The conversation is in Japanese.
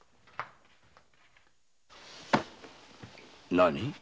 何？